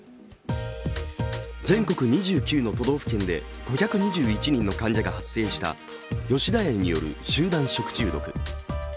全国２９の都道府県で５２１人の患者が発生した吉田屋による集団食中毒。